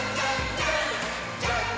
ジャンプ！！」